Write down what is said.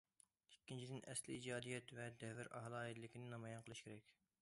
ئىككىنچىدىن، ئەسلىي ئىجادىيەت ۋە دەۋر ئالاھىدىلىكىنى نامايان قىلىش كېرەك.